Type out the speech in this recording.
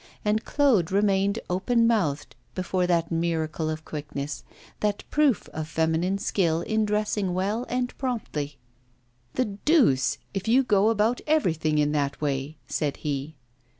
And Claude remained open mouthed before that miracle of quickness, that proof of feminine skill in dressing well and promptly. 'The deuce, if you go about everything in that way!' said he.